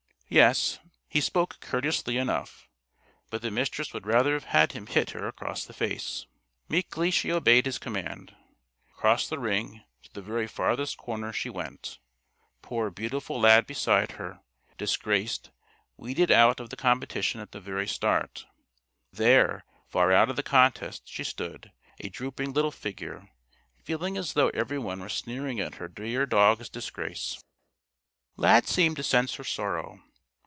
Yes, he spoke courteously enough, but the Mistress would rather have had him hit her across the face. Meekly she obeyed his command. Across the ring, to the very farthest corner, she went poor beautiful Lad beside her, disgraced, weeded out of the competition at the very start. There, far out of the contest, she stood, a drooping little figure, feeling as though everyone were sneering at her dear dog's disgrace. Lad seemed to sense her sorrow.